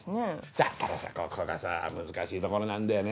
だからさここがさ難しいところなんだよね